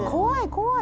怖い。